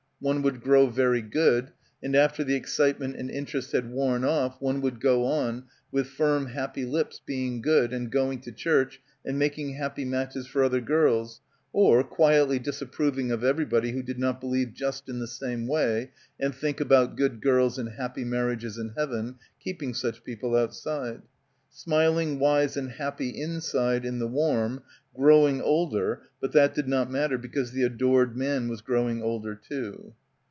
One would grow very good; and after the excitement and interest had worn off one would go on, with firm happy lips being good and going to church and making happy matches for other girls or quietly disap proving of everybody who did not believe just in the same way and think about good girls and happy marriages and heaven, keeping such people outside. Smiling, wise and happy inside in the warm; growing older, but that did not matter because the adored man was growing older too.